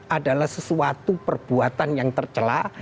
adalah sesuatu perbuatan yang tercelak